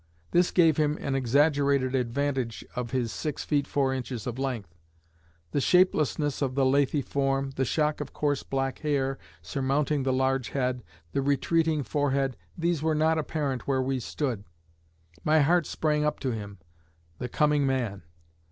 This gave him an exaggerated advantage of his six feet four inches of length. The shapelessness of the lathy form, the shock of coarse black hair surmounting the large head, the retreating forehead these were not apparent where we stood. My heart sprang up to him the coming man.